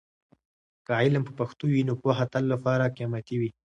که علم په پښتو وي، نو پوهه تل لپاره قیمتي وي.